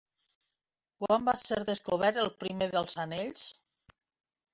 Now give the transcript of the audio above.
Quan va ser descobert el primer dels anells?